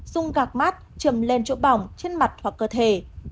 dùng gạc mát trùm lên chỗ bỏng trên mặt hoặc cơ thể